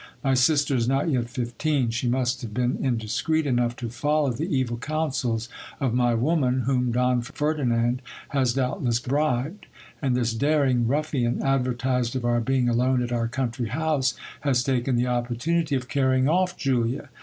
My sister is not yet fifteen, she must have been indiscreet enough to follow the evil counsels of my woman, whom Don Ferdi naid has doubtless bribed ; and this daring ruffian, advertised of our being alone at our country house, has taken the opportunity of carrying off Julia.